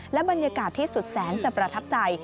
และบรรยากาศที่สุดแสนจะประทับใจ